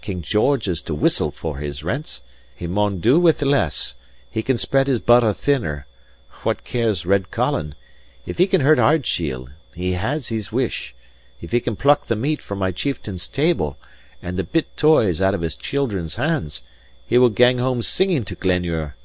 King George is to whistle for his rents; he maun dow with less; he can spread his butter thinner: what cares Red Colin? If he can hurt Ardshiel, he has his wish; if he can pluck the meat from my chieftain's table, and the bit toys out of his children's hands, he will gang hame singing to Glenure!"